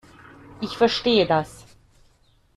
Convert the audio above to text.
Ich verstehe das.